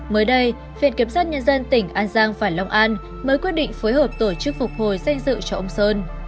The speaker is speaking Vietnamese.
mới đây viện kiểm soát nhân dân tỉnh an sang và long an mới quyết định phối hợp tổ chức phục hồi danh dự cho ông sơn